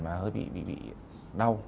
và hơi bị đau